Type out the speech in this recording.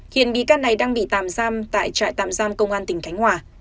hiện bị can này đang bị tạm giam tại trại tạm giam công an tỉnh khánh hòa